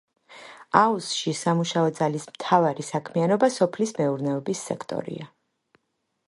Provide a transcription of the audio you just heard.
აუზში სამუშაო ძალის მთავარი საქმიანობა სოფლის მეურნეობის სექტორია.